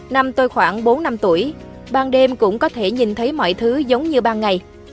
năm tôi khoảng bốn năm tuổi ban đêm cũng có thể nhìn thấy mọi thứ giống như ban ngày